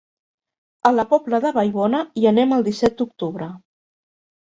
A la Pobla de Vallbona hi anem el disset d'octubre.